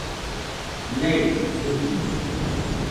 Neeji gujɨde.